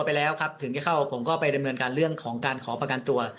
ไปแล้วครับถึงจะเข้าผมก็ไปดำเนินการเรื่องของการขอประกันตัว